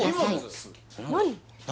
何？